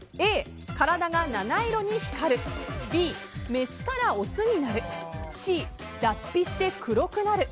Ａ、体が七色に光るＢ、メスからオスになるＣ、脱皮して黒くなる。